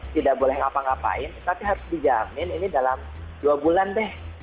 tidak boleh ngapa ngapain tapi harus dijamin ini dalam dua bulan deh